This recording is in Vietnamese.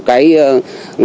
cái tài sản bảo đảm